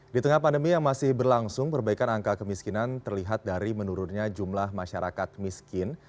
di tengah pandemi yang masih berlangsung perbaikan angka kemiskinan terlihat dari menurunnya jumlah masyarakat miskin